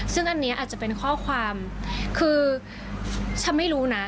ซึ่งอันนี้อาจจะเป็นข้อความคือฉันไม่รู้นะ